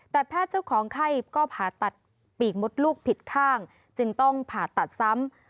แต่แพทย์เจ้าของไข้ก็ผ่าตัดปีกมดลูกผิดข้างจึงต้องผ่าตัดซ้ำ